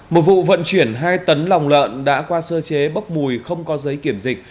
một vụ vận chuyển hai tấn lòng lợn đã qua sơ chế bốc mùi không có giấy kiểm dịch